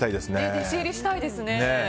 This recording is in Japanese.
弟子入りしたいですね。